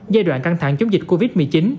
giai đoạn căng thẳng chống dịch covid một mươi chín